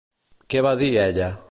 Què va dir ella?